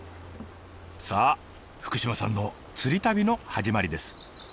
さあ福島さんの釣り旅の始まりです。